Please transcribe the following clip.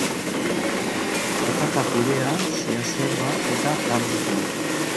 Patata purea ziazerba eta ganbekin.